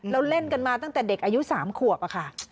แล้วเล่นกันมาตั้งแต่เด็กอายุ๓ขวบค่ะ